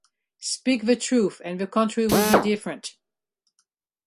Speak the truth and the country will be different.